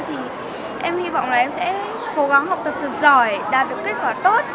thì em hy vọng là em sẽ cố gắng học tập thật giỏi đạt được kết quả tốt